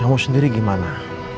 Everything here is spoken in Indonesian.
kamu sendiri gimana